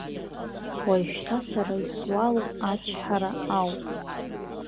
Уажәшьҭа сара исуалу ачҳара ауп.